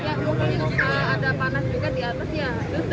ya mungkin ada panas juga di atas ya